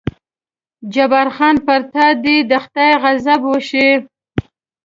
جبار خان: پر تا دې د خدای غضب وشي.